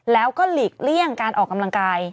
แล้วก็หลีกเลี่ยงการออกกำลังกาย